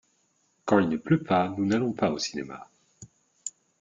Quand il ne pleut pas nous n’allons pas au cinéma.